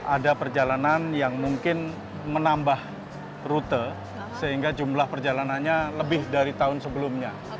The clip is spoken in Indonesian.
ada perjalanan yang mungkin menambah rute sehingga jumlah perjalanannya lebih dari tahun sebelumnya